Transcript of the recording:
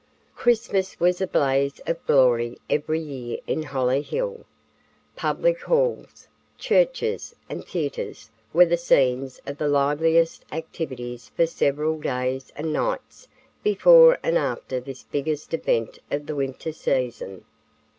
Christmas was a blaze of glory every year in Hollyhill. Public halls, churches, and theaters were the scenes of the liveliest activities for several days and nights before and after this biggest event of the winter season.